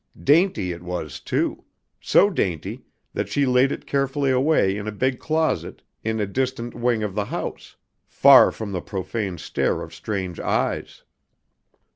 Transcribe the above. Dainty, it was, too; so dainty that she laid it carefully away in a big closet in a distant wing of the house, far from the profane stare of strange eyes.